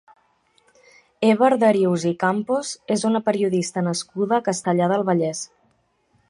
Eva Arderius i Campos és una periodista nascuda a Castellar del Vallès.